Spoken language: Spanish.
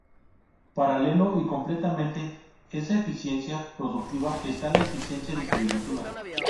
Paralelo y complementando esa eficiencia productiva esta la eficiencia distributiva.